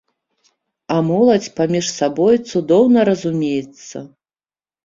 А моладзь паміж сабой цудоўна разумеецца.